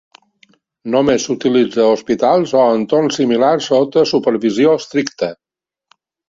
Només s'utilitza a hospitals o entorns similars sota supervisió estricta.